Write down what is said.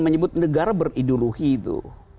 menyebut negara berideologi itu